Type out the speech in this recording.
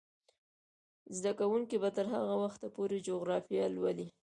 زده کوونکې به تر هغه وخته پورې جغرافیه لولي.